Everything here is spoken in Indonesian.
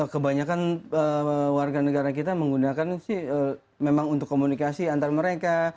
kebanyakan warga negara kita menggunakan sih memang untuk komunikasi antar mereka